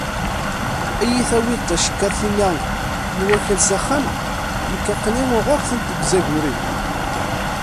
-Ad iyi-tawiḍ tacekkart-inna n wakal s axxam, nekk aql-i uɣeɣ-tent deg uzagur-iw.